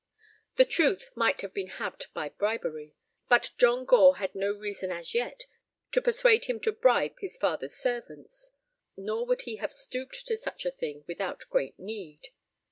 The truth might have been had by bribery, but John Gore had no reason as yet to persuade him to bribe his father's servants, nor would he have stooped to such a thing without great need.